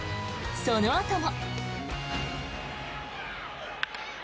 そのあとも。